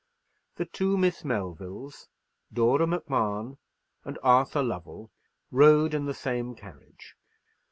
The two Miss Melvilles, Dora Macmahon, and Arthur Lovell rode in the same carriage.